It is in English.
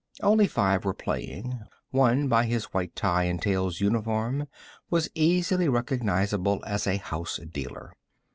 Only five were playing; one, by his white tie and tails uniform, was easily recognizable as a house dealer.